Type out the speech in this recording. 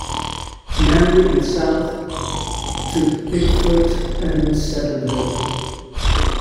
Marie and south to Pickford and Cedarville.